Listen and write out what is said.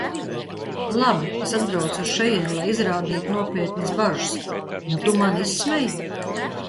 Labi, es atbraucu uz šejieni, lai izrādītu nopietnas bažas, un tu mani izsmej?